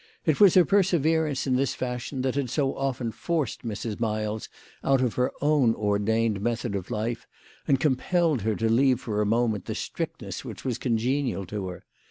It was her perseverance in this fashion that had so often forced Mrs. Miles out of her own ordained method of life, and compelled her to leave for a moment the strict ness which was congenial to her.